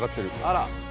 あら！